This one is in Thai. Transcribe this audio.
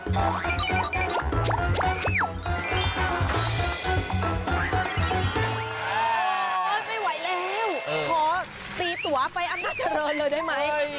โอ้โหไม่ไหวแล้วขอตีตัวไปอำนาจเจริญเลยได้ไหม